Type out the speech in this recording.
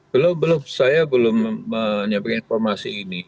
belum belum saya belum menyampaikan informasi ini